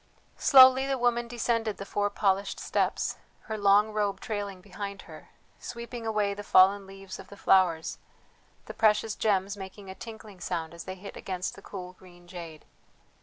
Slowly the woman descended the four polished steps, her long robe trailing behind her, sweeping away the fallen leaves of the flowers, the precious gems making a tinkling sound as they hit against the cool green jade.